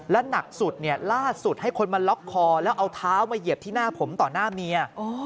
และหนักสุดเนี่ยล่าสุดให้คนมาล็อกคอแล้วเอาเท้ามาเหยียบที่หน้าผมต่อหน้าเมีย